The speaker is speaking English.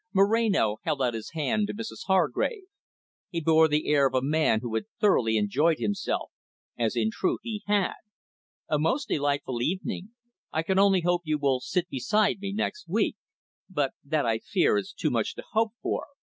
Moreno held out his hand to Mrs Hargrave. He bore the air of a man who had thoroughly enjoyed himself, as in truth he had. "A most delightful evening. I can only hope you will sit beside me next week. But that I fear is too much to hope for.